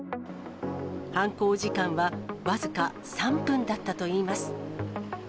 犯行時間は僅か３分だったといいます。